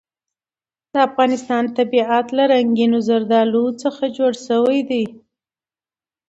د افغانستان طبیعت له رنګینو زردالو څخه جوړ شوی دی.